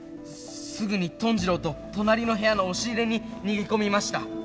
すぐにトン二郎と隣の部屋の押し入れに逃げ込みました。